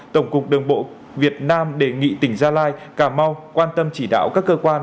tổng cục đường bộ việt nam đề nghị tỉnh gia lai cà mau quan tâm chỉ đạo các cơ quan